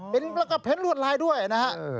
เป็นแล้วก็เพ้นลวดลายด้วยนะฮะ